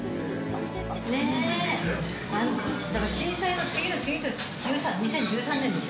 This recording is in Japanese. ねぇだから震災の次の次２０１３年ですよね。